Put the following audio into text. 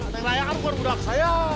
neng raya kan keluar budak saya